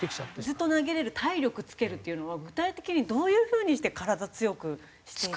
ずっと投げられる体力つけるっていうのは具体的にどういう風にして体強くしていくんですか？